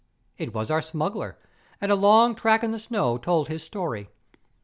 It was our smuggler, and a long track in the snow told his story.